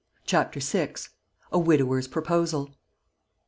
CHAPTER VI. A WIDOWER'S PROPOSAL.